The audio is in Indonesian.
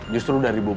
justru dari bubun